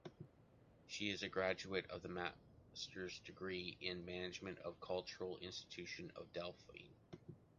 She is a graduate of the master's degree in management of cultural institutions in Dauphine.